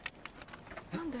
何で？